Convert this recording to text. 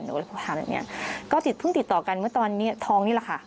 หนูก็เลยถามแบบเนี้ยก็ติดเพิ่งติดต่อกันเมื่อตอนเนี้ยทองนี่แหละค่ะ